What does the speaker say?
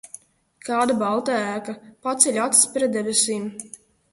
Kāda balta ēka! Paceļu acis pret debesīm.